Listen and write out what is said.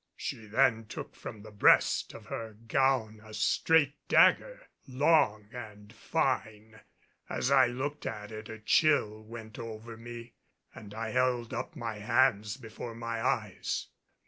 She then took from the breast of her gown a straight dagger, long and fine. As I looked at it a chill went over me and I held up my hands before my eyes.